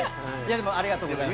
でもありがとうございます。